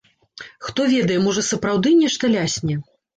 Хто ведае, можа сапраўды нешта лясне?